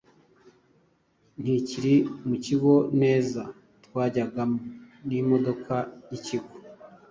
ntikiri mu kigo neza twajyagayo n'imodoka y'ikigo